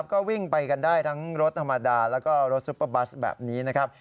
ก็วิ่งไปกันได้ทั้งรถธรรมดาแล้วก็รถซุปเปอร์บัสแบบนี้นะครับ